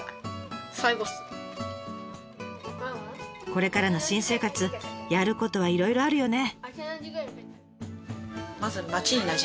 これからの新生活やることはいろいろあるよね。